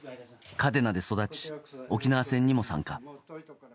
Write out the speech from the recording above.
嘉手納で育ち、沖縄戦にも参加。